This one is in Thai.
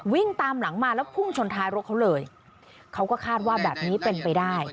ตามหลังมาแล้วพุ่งชนท้ายรถเขาเลยเขาก็คาดว่าแบบนี้เป็นไปได้